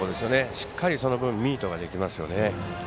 しっかりその分ミートができますよね。